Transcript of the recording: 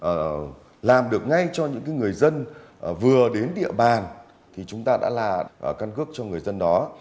và làm được ngay cho những người dân vừa đến địa bàn thì chúng ta đã là căn cước cho người dân đó